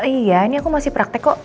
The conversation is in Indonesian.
iya ini aku masih praktek kok